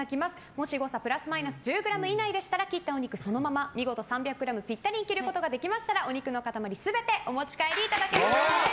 もし誤差プラスマイナス１０ｇ以内でしたら切ったお肉をそのまま見事３００ｇぴったりに切ることができましたらお肉の塊全てお持ち帰りいただけます。